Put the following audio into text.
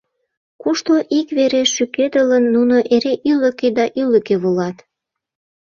Кушто ик вере шӱкедылын, нуно эре ӱлыкӧ да ӱлыкӧ волат.